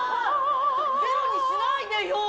ゼロにしないでよ。